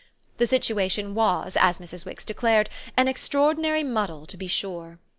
The situation was, as Mrs. Wix declared, an extraordinary muddle to be sure.